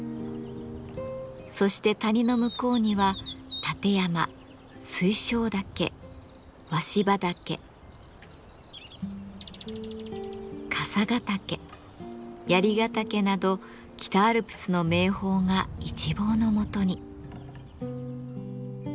そして谷の向こうには立山水晶岳鷲羽岳笠ヶ岳槍ヶ岳など北アルプスの名峰が一望のもとに。